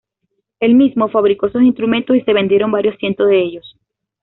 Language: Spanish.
Él mismo fabricó esos instrumentos y se vendieron varios cientos de ellos.